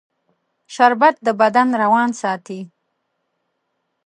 شربت د بدن روان ساتي